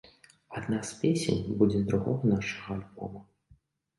Адна з песень будзе з другога нашага альбома.